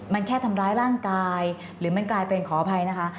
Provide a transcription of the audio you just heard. มันแค่ทำร้ายร่างกายหรือมันกลายเป็นขออภัยนะคะ